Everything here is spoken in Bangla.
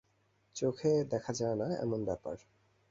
চোখে দেখা যায় না, এমন ব্যাপার।